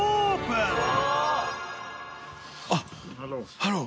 ハロー。